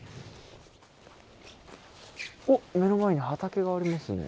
おっ目の前に畑がありますね。